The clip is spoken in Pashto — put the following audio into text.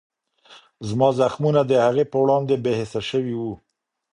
زما زخمونه د هغې په وړاندې بېحسه شوي وو.